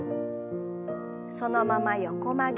そのまま横曲げ。